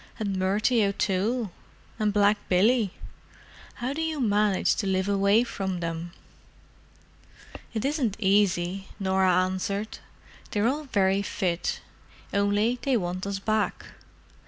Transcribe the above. and Murty O'Toole? and Black Billy? How do you manage to live away from them?" "It isn't easy," Norah answered. "They're all very fit, only they want us back.